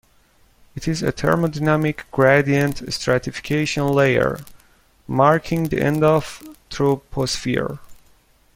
It is a thermodynamic gradient stratification layer, marking the end of troposphere.